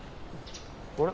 あれ？